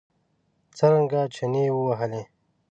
څرنګه چنې ووهلې.